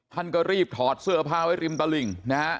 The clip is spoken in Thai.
ท่านก็รีบถอดเสื้อผ้าไว้ริมตลิ่งนะฮะ